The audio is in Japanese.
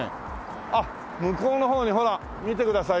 あっ向こうの方にほら見てくださいよ